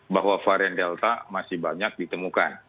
bahwa varian delta masih banyak ditemukan